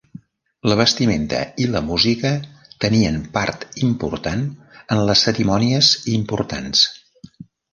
La vestimenta i la música tenien part important en les cerimònies importants.